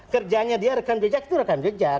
kerjanya dia rekam jejak itu rekam jejak